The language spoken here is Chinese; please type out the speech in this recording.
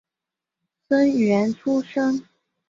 生员出身。